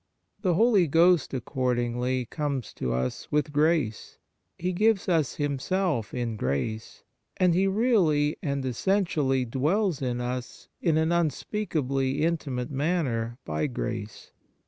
The Holy Ghost, accordingly, comes to us with grace, He gives us Himself in grace, and He really and essentially dwells in us in an unspeakably intimate manner by grace.